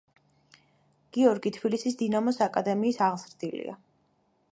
გიორგი თბილისის „დინამოს“ აკადემიის აღზრდილია.